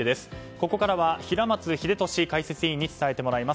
ここからは平松秀敏解説委員に伝えてもらいます。